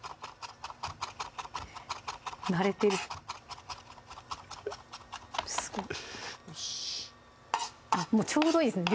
慣れてるよしっちょうどいいですね